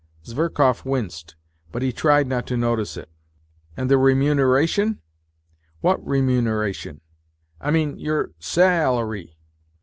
Zverkov winced, but he tried not to notice it. " And the remuneration ?"" What remuneration ?" "I mean, your sa a lary